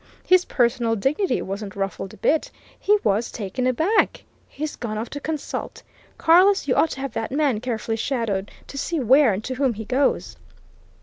His personal dignity wasn't ruffled a bit. He was taken aback! He's gone off to consult. Carless, you ought to have that man carefully shadowed, to see where and to whom he goes."